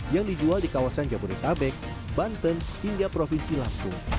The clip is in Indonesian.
yang dijual di kawasan jabodetabek banten hingga provinsi lampung